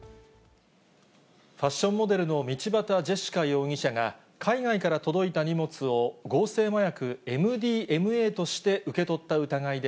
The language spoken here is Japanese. ファッションモデルの道端ジェシカ容疑者が海外から届いた荷物を合成麻薬ＭＤＭＡとして受け